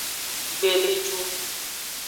Gbeleju.